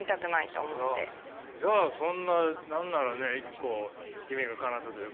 じゃあそんな何ならね一個夢がかなったというか。